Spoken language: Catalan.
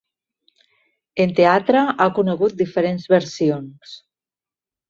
En teatre ha conegut diferents versions.